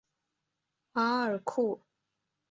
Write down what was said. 马尔库。